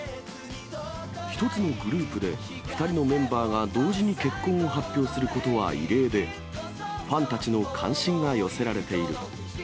１つのグループで、２人のメンバーが同時に結婚を発表することは異例で、ファンたちの関心が寄せられている。